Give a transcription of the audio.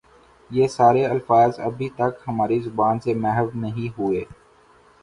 یہ سارے الفاظ ابھی تک ہماری زبان سے محو نہیں ہوئے ۔